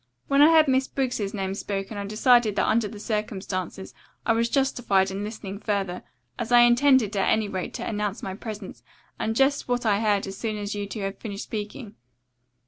When I heard Miss Briggs's name spoken I decided that under the circumstances I was justified in listening further, as I intended at any rate to announce my presence and just what I heard as soon as you two had finished speaking.